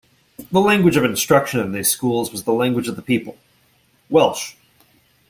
The language of instruction in these schools was the language of the people, Welsh.